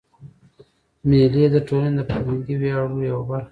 مېلې د ټولني د فرهنګي ویاړو یوه برخه ده.